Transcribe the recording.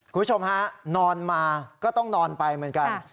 คุณผู้ชมฮะนอนมาก็ต้องนอนไปเหมือนกัน